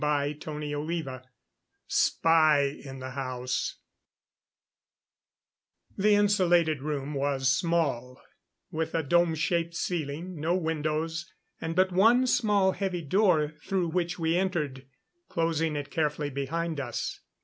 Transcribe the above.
CHAPTER III Spy in the House The insulated room was small, with a dome shaped ceiling, no windows, and but one small, heavy door through which we entered, closing it carefully behind us.